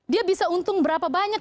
dia bisa untung berapa banyak